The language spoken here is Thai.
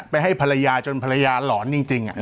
ให้ภรรยาจนภรรยาหลอนจริง